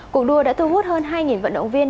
cuộc đua đã thu hút hơn hai vận động viên